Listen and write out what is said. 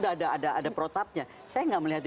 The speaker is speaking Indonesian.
ada ada protapnya saya nggak melihat